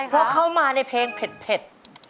เพราะเข้ามาในเพลงเผ็ด